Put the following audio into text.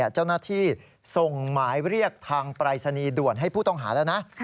เจ้าหน้าที่ส่งหมายเรียกทางปรายศนีย์ด่วนให้ผู้ต้องหาแล้วนะ